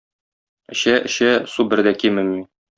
Эчә-эчә, су бер дә кимеми.